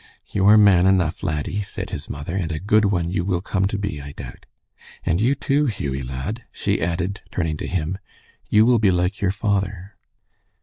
"You are man enough, laddie," said his mother, "and a good one you will come to be, I doubt. And you, too, Hughie, lad," she added, turning to him. "You will be like your father."